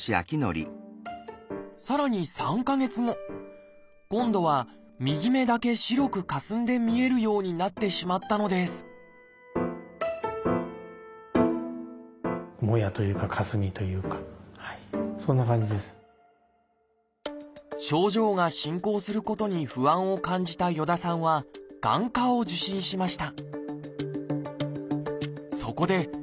さらに３か月後今度は右目だけ白くかすんで見えるようになってしまったのです症状が進行することに不安を感じた与田さんは眼科を受診しました。